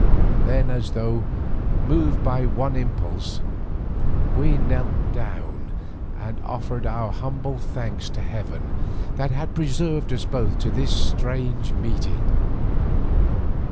Then as though moved by one impulse, we knelt down and offered our humble thanks to heaven that had preserved us both to this strange meeting.